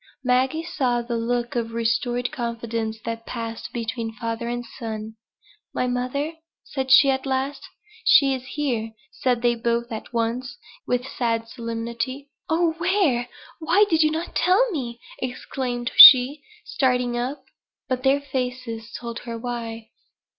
Maggie saw the look of restored confidence that passed between father and son. "My mother?" said she at last. "She is here," said they both at once, with sad solemnity. "Oh, where? Why did not you tell me?" exclaimed she, starting up. But their faces told her why.